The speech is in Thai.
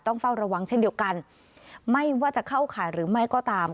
ต้องเฝ้าระวังเช่นเดียวกันไม่ว่าจะเข้าข่ายหรือไม่ก็ตาม